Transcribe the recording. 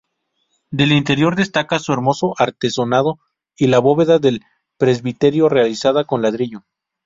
Del interior destaca su hermoso artesonado y la bóveda del presbiterio, realizada con ladrillo.